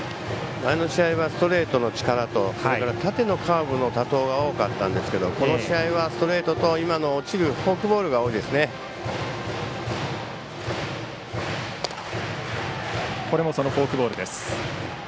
前の試合はストレートの力と縦のカーブの多投が多かったんですがこの試合はストレートと今の落ちるフォークボールが多いですね。